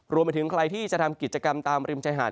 รวมไปถึงใครที่จะทำกิจกรรมตามริมชายหาด